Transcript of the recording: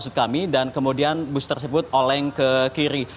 dan kemudian bus tersebut oleng ke kiri